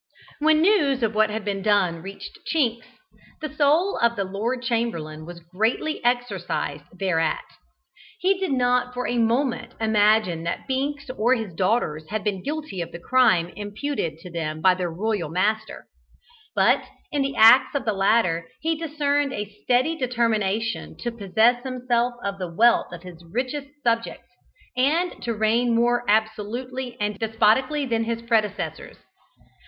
When news of what had been done reached Chinks, the soul of the Lord Chamberlain was greatly exercised thereat. He did not for a moment imagine that Binks or his daughters had been guilty of the crime imputed to them by their royal master; but in the acts of the latter he discerned a steady determination to possess himself of the wealth of his richest subjects, and to reign more absolutely and despotically than his predecessors.